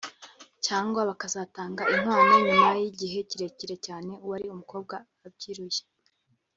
cyangwa bakazatanga inkwano nyuma y’igihe kirekire cyane uwari umukobwa abyiruye